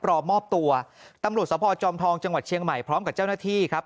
รอมอบตัวตำรวจสภจอมทองจังหวัดเชียงใหม่พร้อมกับเจ้าหน้าที่ครับ